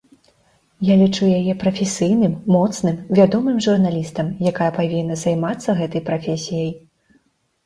Я лічу яе прафесійным, моцным, вядомым журналістам, якая павінна займацца гэтай прафесіяй.